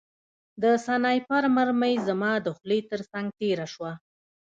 د سنایپر مرمۍ زما د خولۍ ترڅنګ تېره شوه